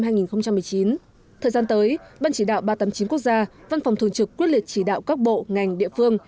thời gian tới ban chỉ đạo ba trăm tám mươi chín quốc gia văn phòng thường trực quyết liệt chỉ đạo các bộ ngành địa phương